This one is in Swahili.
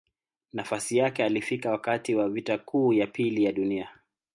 Nafasi yake alifika wakati wa Vita Kuu ya Pili ya Dunia.